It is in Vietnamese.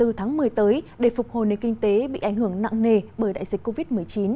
từ tháng một mươi tới để phục hồi nền kinh tế bị ảnh hưởng nặng nề bởi đại dịch covid một mươi chín